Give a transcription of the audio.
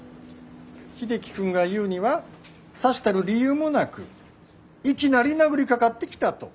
英樹君が言うにはさしたる理由もなくいきなり殴りかかってきたと。